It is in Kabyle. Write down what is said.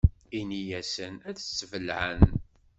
In-asen ad tt-bellɛen.